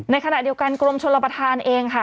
ในขณะเดียวกันกรมชลประธานเองค่ะ